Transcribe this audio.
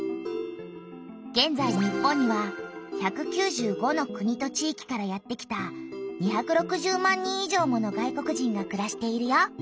げんざい日本には１９５の国と地域からやって来た２６０万人以上もの外国人がくらしているよ。